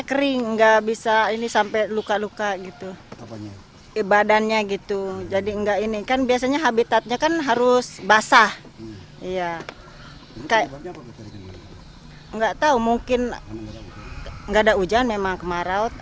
enggak tahu mungkin nggak ada hujan memang kemarau